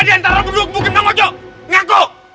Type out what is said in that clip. diantara berdua kebukin manggung ngaku